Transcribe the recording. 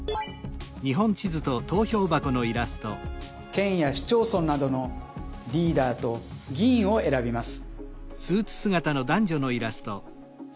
県や市町村などのリーダーと議員を選びます。